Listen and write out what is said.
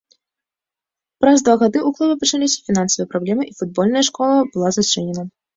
Праз два гады ў клубе пачаліся фінансавыя праблемы і футбольная школа была зачынена.